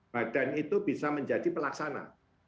badan itu bisa menjadi pelaksana